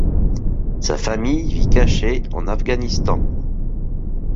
Sa famille vit cachée en Afghanistan.